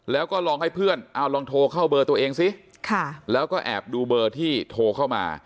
แล้วก็ลองให้เพื่อนเอาลองโทรเข้าเบอร์ตัวเองซิแล้วก็แอบดูเบอร์ที่โทรเข้ามา